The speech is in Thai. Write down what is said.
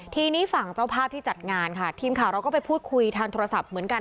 ทีนี้ฝั่งเจ้าภาพที่จัดงานค่ะทีมข่าวเราก็ไปพูดคุยทางโทรศัพท์เหมือนกัน